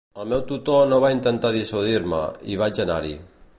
El meu tutor no va intentar dissuadir-me, i vaig anar-hi.